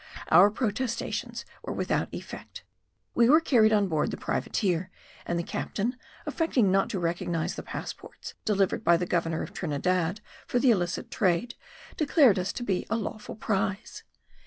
Our protestations were without effect: we were carried on board the privateer, and the captain, affecting not to recognize the passports delivered by the governor of Trinidad for the illicit trade, declared us to be a lawful prize.